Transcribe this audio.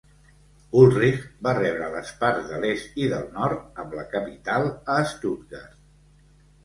Ulrich va rebre les parts de l'est i del nord amb la capital a Stuttgart.